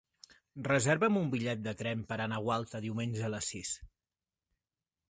Reserva'm un bitllet de tren per anar a Gualta diumenge a les sis.